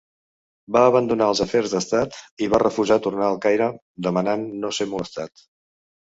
Va abandonar els afers d'estat i va refusar tornar al Caire demanant no ser molestat.